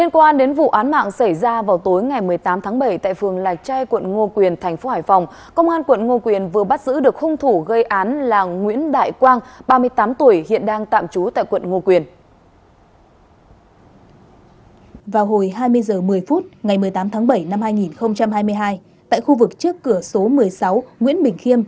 các bạn hãy đăng ký kênh để ủng hộ kênh của chúng mình nhé